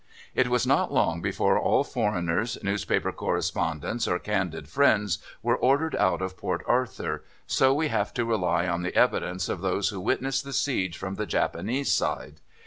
It was not long before all foreigners, newspaper correspondents, or candid friends were ordered out of Port Arthur, so we have to rely on the evidence of those who witnessed the siege from the Japanese side.